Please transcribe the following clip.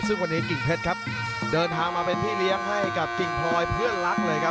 ซึ่งวันนี้กิ่งเพชรครับเดินทางมาเป็นพี่เลี้ยงให้กับกิ่งพลอยเพื่อนรักเลยครับ